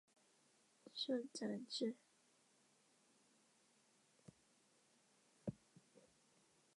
遂斩之。